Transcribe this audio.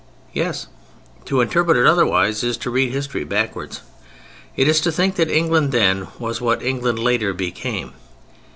Yes; to interpret it otherwise is to read history backwards. It is to think that England then was what England later became.